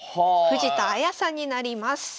藤田綾さんになります。